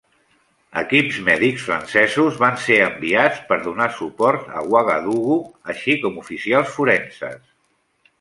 Equips mèdics francesos van ser enviats per donar suport a Ouagadougou, així com oficials forenses.